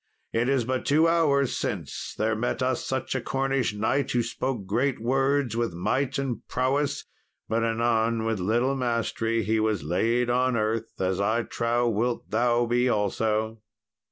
It is but two hours since there met us such a Cornish knight, who spoke great words with might and prowess, but anon, with little mastery, he was laid on earth, as I trow wilt thou be also."